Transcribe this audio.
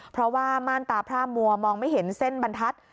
เพราะว่าม่านตาพร่ามัวมองไม่เห็นเส้นบรรทัศน์